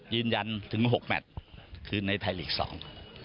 ยืนยันถึงหกแมทคือในไทยลีกสอง